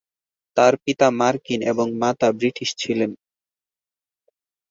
তার পিতা মার্কিন এবং মাতা ব্রিটিশ ছিলেন।